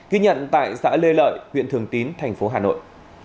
ghi nhận tại xã lê lợi huyện thường tín thành phố hà nội